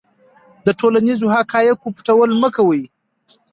د ټولنیزو حقایقو پټول مه کوه.